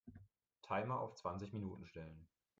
Timer auf zwanzig Minuten stellen.